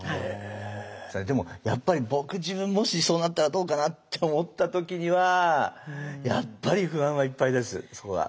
でもやっぱり僕自分もしそうなったらどうかなって思った時にはやっぱり不安はいっぱいですそこは。